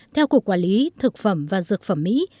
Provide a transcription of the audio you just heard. theo cục quản lý thực phẩm và dược phẩm mỹ